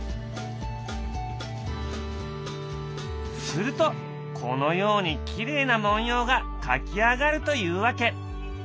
するとこのようにきれいな文様が描き上がるというわけ。